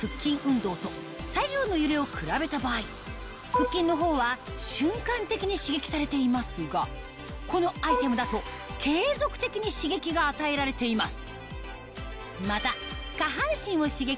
腹筋のほうは瞬間的に刺激されていますがこのアイテムだと継続的に刺激が与えられています